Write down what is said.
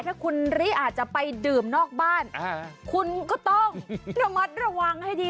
ถ้าคุณริอาจจะไปดื่มนอกบ้านคุณก็ต้องระมัดระวังให้ดี